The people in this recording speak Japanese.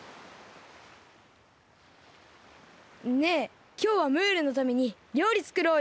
ねえきょうはムールのためにりょうりつくろうよ。